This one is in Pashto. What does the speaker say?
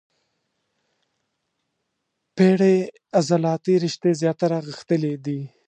پېړې عضلاتي رشتې زیاتره غښتلي دي.